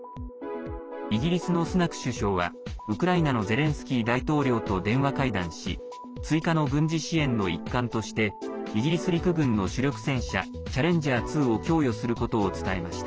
イギリスのスナク首相はウクライナのゼレンスキー大統領と電話会談し追加の軍事支援の一環としてイギリス陸軍の主力戦車チャレンジャー２を供与することを伝えました。